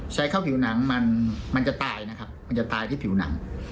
ใช้เข้าผิวหนังมันมันจะตายนะครับมันจะตายที่ผิวหนัง